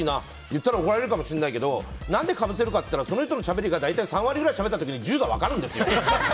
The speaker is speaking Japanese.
言ったら怒られるかもしれないけど何でかぶせるかというとその人のしゃべりが３割くらいしゃべった時に１０が分かるんですよ。